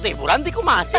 tuh buranti kok masih